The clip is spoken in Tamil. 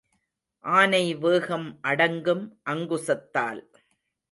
ஆனை வேகம் அடங்கும் அங்குசத்தால்.